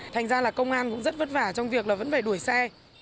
thành ra là công an cũng rất vất vả trong việc là vẫn phải đuổi xe